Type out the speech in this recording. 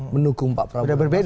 menukung pak prabowo dan bang sandi